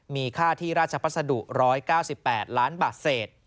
มีค่าที่ราชพัสดุ๑๙๘ล้านบาทเศษ